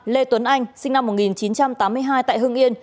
ba lê tuấn anh sinh năm một nghìn chín trăm tám mươi hai tại hương yên